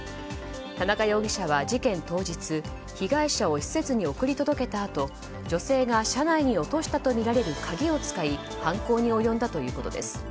田中容疑者は事件当日被害者を施設に送り届けたあと女性が車内に落としたとみられる鍵を使い犯行に及んだということです。